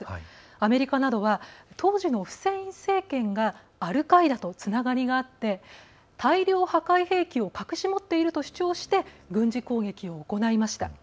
アメリカなどは当時のフセイン政権がアルカイダとつながりがあって大量破壊兵器を隠し持っていると主張して、軍事攻撃を行いました。